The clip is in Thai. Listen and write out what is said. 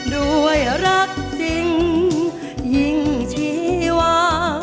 ด้วยรักจริงยิ่งชีวา